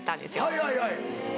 はいはいはい。